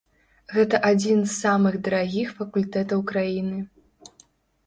Гэта адзін з самых дарагіх факультэтаў краіны.